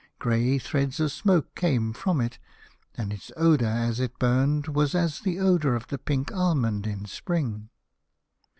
Grey threads of smoke came from it, and its odour as it burned was as the odour of the pink almond in spring.